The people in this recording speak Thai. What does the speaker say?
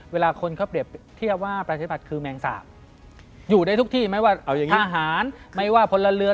เวลาคนเขาเปรียบเทียบว่าปฏิบัติคือแมงสาหัสอยู่ในทุกที่ไม่ว่าทหารไม่ว่าผลเรือน